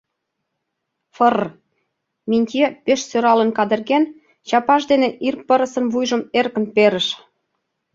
“Фрр!..” — Минтье пеш сӧралын кадырген, чапаж дене ир пырысын вуйжым эркын перыш.